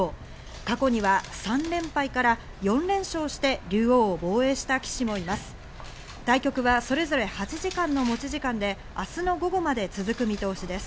過去には３連敗から４連勝して竜王を防衛した棋士もいます。